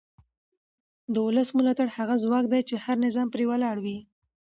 د ولس ملاتړ هغه ځواک دی چې هر نظام پرې ولاړ وي